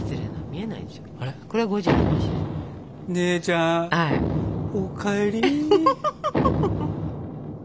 姉ちゃんお帰り。